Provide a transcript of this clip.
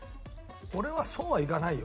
俺はそうはいかないよ。